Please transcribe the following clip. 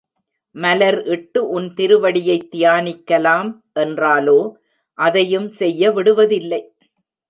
மலர் இட்டு உன் திருவடியைத் தியானிக்கலாம் என்றாலோ, அதையும் செய்ய விடுவதில்லை.